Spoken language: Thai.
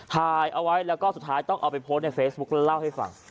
ถ่ายเอาไว้แล้วก็สุดท้ายต้องเอาไปโพสต์ในเฟซบุ๊คแล้วเล่าให้ฟัง